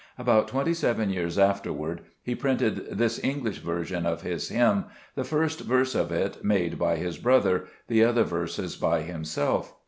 About twenty seven years afterward he printed this English version of his hymn, the first verse of it made brother, the other verses by himself.